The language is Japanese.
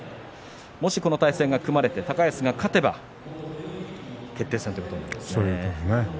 もしこの対戦が組まれて高安が勝てば決定戦ということになりますね。